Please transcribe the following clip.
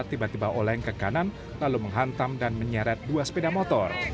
tiba tiba oleng ke kanan lalu menghantam dan menyeret dua sepeda motor